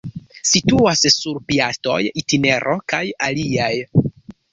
Situas sur Piastoj-itinero kaj aliaj.